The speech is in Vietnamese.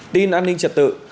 tin an ninh trật tự